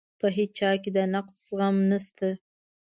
په هیچا کې د نقد زغم نشته.